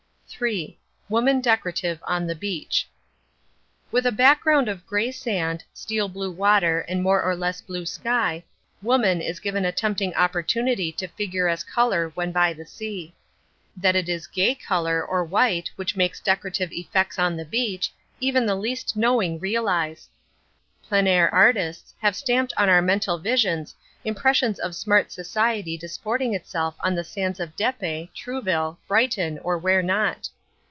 III. WOMAN DECORATIVE ON THE BEACH With a background of grey sand, steel blue water and more or less blue sky, woman is given a tempting opportunity to figure as colour when by the sea. That it is gay colour or white which makes decorative effects on the beach, even the least knowing realise. Plein air artists have stamped on our mental visions impressions of smart society disporting itself on the sands of Dieppe, Trouville, Brighton, and where not.